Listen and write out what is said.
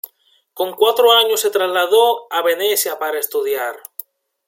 Con cuatro años se trasladó a Venecia, para estudiar.